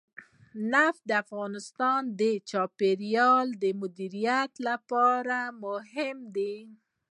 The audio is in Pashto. نفت د افغانستان د چاپیریال د مدیریت لپاره مهم دي.